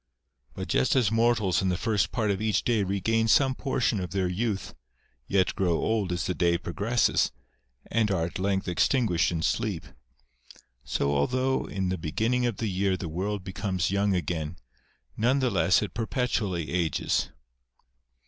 But just as mortals in the first part of each day regain some portion of their youth, yet grow old as the day progresses, and are at length extinguished in sleep ; so although in the beginning of the year the world becomes young again, none the less it perpetually ages.